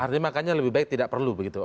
artinya makanya lebih baik tidak perlu begitu